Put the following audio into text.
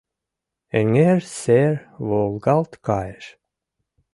Эҥер сер волгалт кайыш.